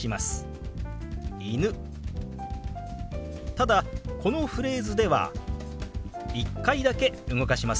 ただこのフレーズでは１回だけ動かしますよ。